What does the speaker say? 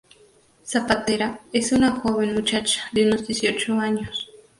Zapatera: Es una joven muchacha, de unos dieciocho años.